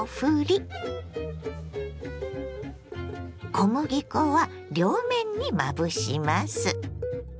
小麦粉は両面にまぶします。